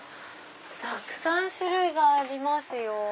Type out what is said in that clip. たくさん種類がありますよ。